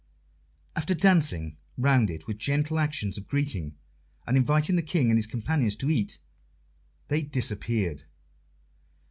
After dancing round it with gentle actions of greeting, and inviting the King and his companions to eat, they disappeared.